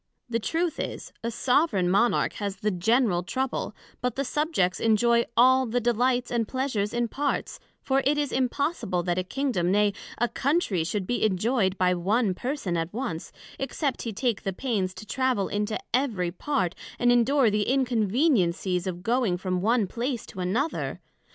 The truth is, a soveraign Monarch has the general trouble; but the Subjects enjoy all the delights and pleasures in parts, for it is impossible, that a Kingdom, nay, a Country, should be injoyed by one person at once, except he take the pains to travel into every part, and endure the inconveniencies of going from one place to another?